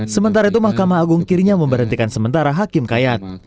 sementara itu mahkamah agung kirinya memberhentikan sementara hakim kayat